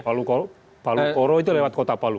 palu koro itu lewat kota palu